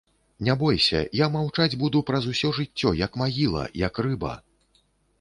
Не бойся, я маўчаць буду праз усё жыццё, як магіла, як рыба!